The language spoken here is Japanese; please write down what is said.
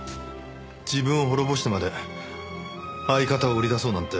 自分を滅ぼしてまで相方を売り出そうなんて。